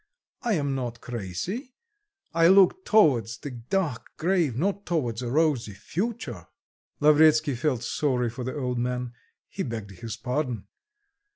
I am not crazy; I look towards the dark grave, not towards a rosy future." Lavretsky felt sorry for the old man; he begged his pardon.